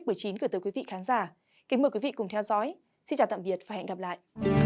của tất cả quý vị khán giả kính mời quý vị cùng theo dõi xin chào tạm biệt và hẹn gặp lại